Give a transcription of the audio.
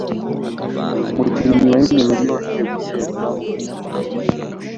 Umukinnyi Wayne Rooney wongeye guterwa umusatsi